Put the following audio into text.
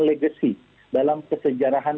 legasi dalam kesejarahan